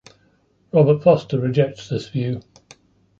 Robert Foster rejects this view.